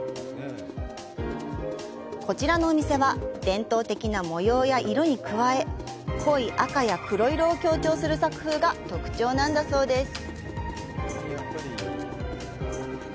こちらのお店は伝統的な模様や色に加え濃い赤や黒色を強調する作風が特徴なんだそうです。